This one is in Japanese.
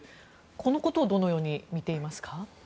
このことをどのように見ていますか？